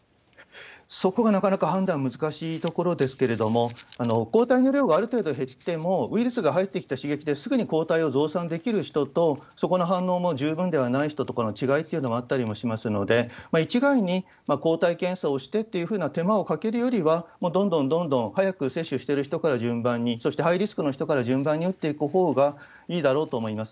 そこがなかなか判断が難しいところですけれども、抗体の量がある程度減っても、ウイルスが入ってきた刺激ですぐに抗体を増産できる人と、そこの反応も十分ではない人とかの違いっていうのがあったりしますので、一概に抗体検査をしてっていうふうな手間をかけるよりは、どんどんどんどん早く接種してる人から順番に、そしてハイリスクの人から順番に打っていくほうがいいだろうと思います。